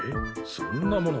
そんなもの。